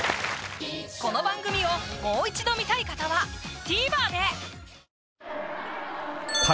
この番組をもう一度観たい方はＴＶｅｒで！